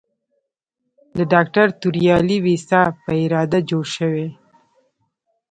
د ډاکټر توریالي ویسا په اراده جوړ شوی.